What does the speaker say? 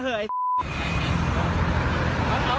มีคลิปก่อนนะครับ